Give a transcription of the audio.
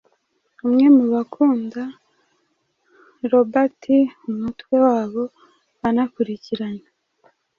umwe mu bakunda RobertUmutwe wabo wanakurikiranywe